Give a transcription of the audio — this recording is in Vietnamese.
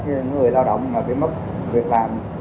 người lao động bị mất việc làm